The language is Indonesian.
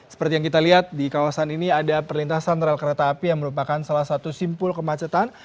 seperti yang kita lihat di kawasan ini ada perlintasan rel kereta api yang merupakan salah satu simpul kemacetan